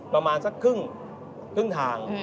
ประมาณสักครึ่งครึ่งทาง